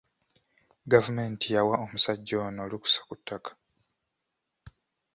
Gavumenti yawa omusajja ono olukusa ku ttaka.